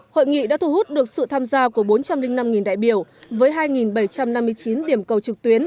hội nghị đã thu hút được sự tham gia của bốn trăm linh năm đại biểu với hai bảy trăm năm mươi chín điểm cầu trực tuyến